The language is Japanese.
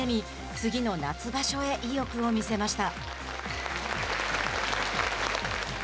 次の夏場所へ意欲を見せました。